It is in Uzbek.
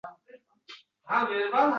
Ammo! Bularni kim yo‘ldan oladi?